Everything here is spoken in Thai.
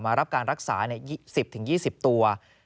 รับการรักษา๑๐๒๐ตัว